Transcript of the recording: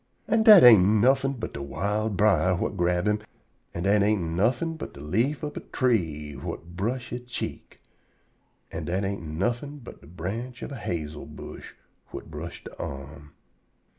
An' dat ain't nuffin' but de wild brier whut grab him, an' dat ain't nuffin' but de leaf ob a tree whut brush he cheek, an' dat ain't nuffin' but de branch ob a hazel bush whut brush he arm.